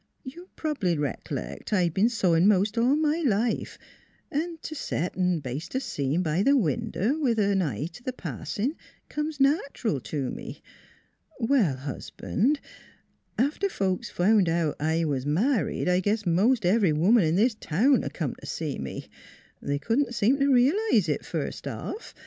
You probly reclect I been sewing most all my life & to set and baste a seam by the window, with an eye to the passing, comes natural to me. Well, Husband, after folks found out I was married I guess most every woman in this town come to see me. They could not seem to realize it, first off.